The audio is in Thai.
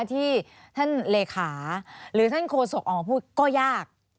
ที่ท่านเลขาหรือท่านโฆษกออกมาพูดก็ยาก